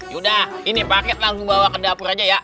yaudah ini paket langsung bawa ke dapur aja ya